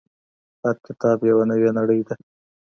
هر کتاب يوه نوې نړۍ ده.